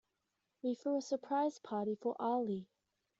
We threw a surprise birthday party for Ali.